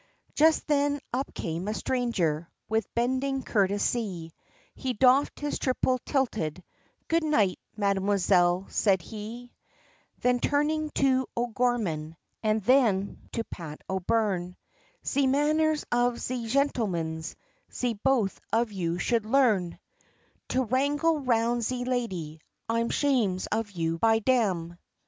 Just then up came a stranger, with bending courtesy, He doffed his triple tilted, "Good night, mam'selle," said he, Then turning to O'Gorman, and then, to Pat O'Byrne, "Ze manners of ze shentlemans, ze both of you should learn; To wrangle round ze lady, I'm shames of you, by dam!